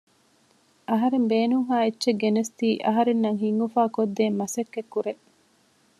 އަހަރެން ބޭނުންހާ އެއްޗެއް ގެނަސްދީ އަހަރެންގެ ހިތް އުފާ ކޮށްދޭން މަސައްކަތް ކުރޭ